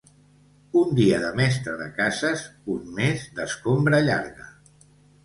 Un dia de mestre de cases, un mes d'escombra llarga.